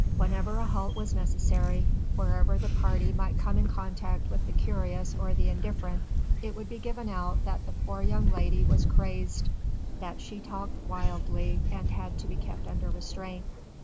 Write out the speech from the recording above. Wherever a halt was necessary, wherever the party might come in contact with the curious or the indifferent, it would be given out that the poor young lady was crazed, that she talked wildly, and had to be kept under restraint.